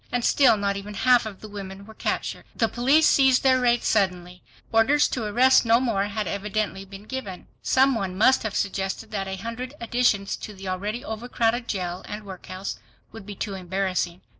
And still not even half the women were captured. The police ceased their raids suddenly. Orders to arrest no more had evidently been given. Some one must have suggested that a hundred additions to the already overcrowded jail and workhouse would be too embarrassing.